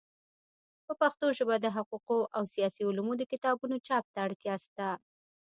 په پښتو ژبه د حقوقو او سیاسي علومو د کتابونو چاپ ته اړتیا سته.